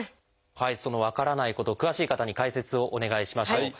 その分からないこと詳しい方に解説をお願いしましょう。